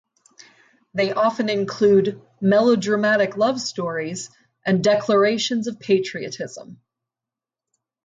They often include melodramatic love stories and declarations of patriotism.